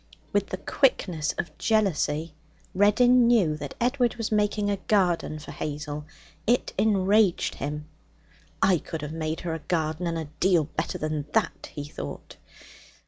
With the quickness of jealousy, Reddin knew that Edward was making a garden for Hazel. It enraged him. 'I could have made her a garden, and a deal better than that!' he thought.